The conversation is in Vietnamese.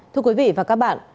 thưa quý vị và các bạn